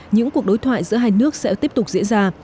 những cuộc đối thoại giữa hai nước sẽ tiếp tục diễn ra